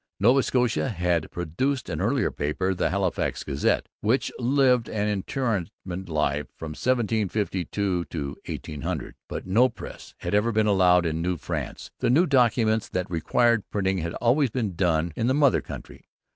Nova Scotia had produced an earlier paper, the Halifax Gazette, which lived an intermittent life from 1752 to 1800. But no press had ever been allowed in New France. The few documents that required printing had always been done in the mother country.